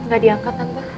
gak diangkat tante